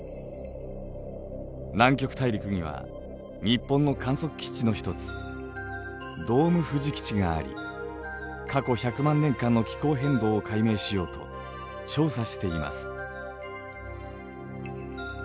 南極大陸には日本の観測基地の一つドームふじ基地があり過去１００万年間の気候変動を解明しようと調査しています。